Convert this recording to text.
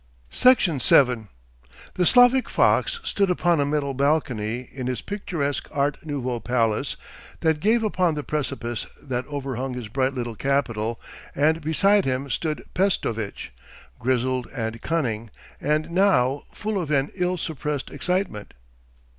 Section 7 The Slavic fox stood upon a metal balcony in his picturesque Art Nouveau palace that gave upon the precipice that overhung his bright little capital, and beside him stood Pestovitch, grizzled and cunning, and now full of an ill suppressed excitement.